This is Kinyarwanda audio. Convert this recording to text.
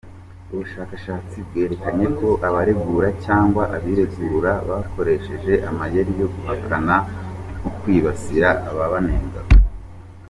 Ubushakashatsi bwerekanye ko abaregura, cyangwa abiregura, bakoresheje amayeri yo guhakana no kwibasira ababanenga.